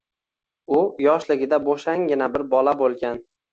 U “yoshligida bo’shangina bir bola” bo’lgan.